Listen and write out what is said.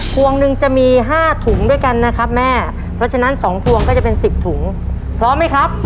พวงหนึ่งจะมีห้าถุงด้วยกันนะครับแม่เพราะฉะนั้นสองพวงก็จะเป็น๑๐ถุงพร้อมไหมครับ